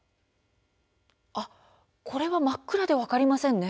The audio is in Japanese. これは真っ暗で分かりませんね。